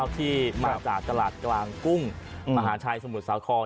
ที่มาจากตลาดกลางกุ้งมหาชัยสมุทรสาคร